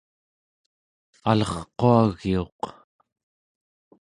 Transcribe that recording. alerquagiuq